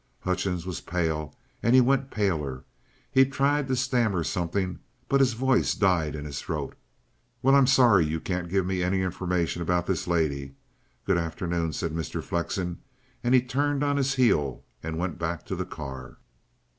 Hutchings was pale, and he went paler. He tried to stammer something, but his voice died in his throat. "Well, I'm sorry you can't give me any information about this lady. Good afternoon," said Mr. Flexen, and he turned on his heel and went back to the car.